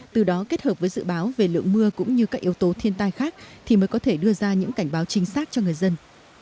từ đó kết hợp với dự báo về lượng mưa cũng như các yếu tố thiên tai khác thì mới có thể đưa ra những cảnh báo chính xác cho người dân